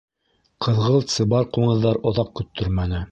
Ҡыҙғылт-сыбар ҡуңыҙҙар оҙаҡ көттөрмәне.